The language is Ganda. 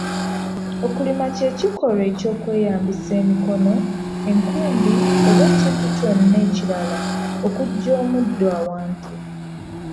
Okulima kye kikolwa eky’okweyambisa emikono, enkumbi oba ekintu kyonna ekirala okuggya omuddo awantu.